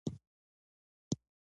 واوره بارېږي.